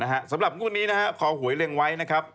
อ่าสำหรับงุ่นนี้นะครับคอหวยเรียงไว้นะครับ